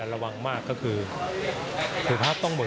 ระวังมากก็คือถือภาพต้องเหมือน